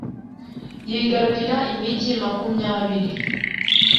yigarurira imigi makumyabiri